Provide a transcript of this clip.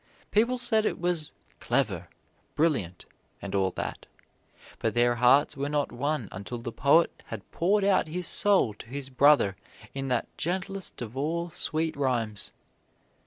People said it was "clever," "brilliant," and all that, but their hearts were not won until the poet had poured out his soul to his brother in that gentlest of all sweet rhymes.